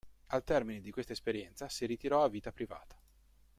Al termine di questa esperienza, si ritirò a vita privata.